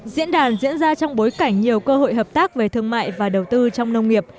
diễn đàn diễn ra trong bối cảnh nhiều cơ hội hợp tác về thương mại và đầu tư trong nông nghiệp